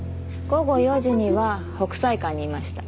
午後４時には北斎館にいました。